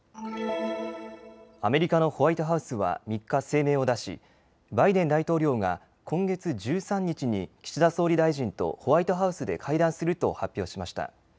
アメリカのホワイトハウスは３日、声明を出しバイデン大統領が今月１３日に岸田総理大臣とホワイトハウスで会談すると発表しました。